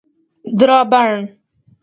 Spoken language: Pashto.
درابڼ